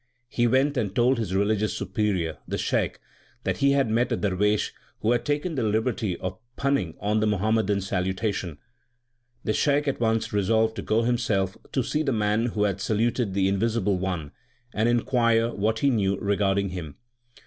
He went and told his religious superior, the Shaikh, that he had met a darwesh who had taken the liberty of punning on the Muhammadan salutation. The Shaikh at once resolved to go himself to see the man who had saluted the Invisible One, and inquire what he knew regarding Him.